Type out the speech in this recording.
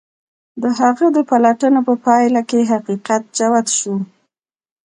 د هغه د پلټنو په پايله کې حقيقت جوت شو.